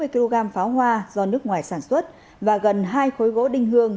tám trăm bốn mươi kg pháo hoa do nước ngoài sản xuất và gần hai khối gỗ đinh hương